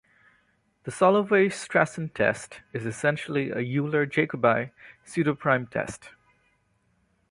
The Solovay-Strassen test is essentially a Euler-Jacobi pseudoprime test.